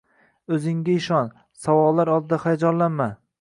Oʻzingga ishon, savollar oldida hayajonlanma.